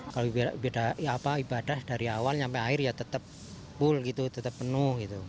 kalau beda ibadah dari awal sampai akhir ya tetap full gitu tetap penuh gitu